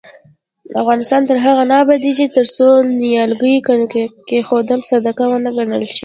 افغانستان تر هغو نه ابادیږي، ترڅو نیالګي کښینول صدقه ونه ګڼل شي.